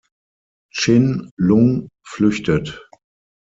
Chin-Lung flüchtet.